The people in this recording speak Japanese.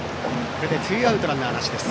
これでツーアウトランナーなしです。